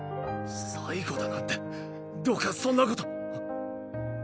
最後だなんてどうかそんなことはっ！